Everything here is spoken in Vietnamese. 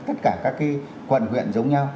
tất cả các cái quần huyện giống nhau